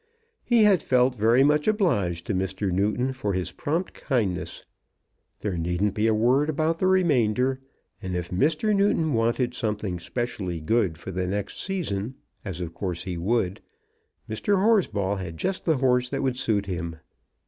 He had felt very much obliged to Mr. Newton for his prompt kindness. There needn't be a word about the remainder, and if Mr. Newton wanted something specially good for the next season, as of course he would, Mr. Horsball had just the horse that would suit him.